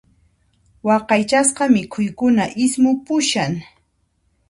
Waqaychasqa mikhuykuna ismupushan.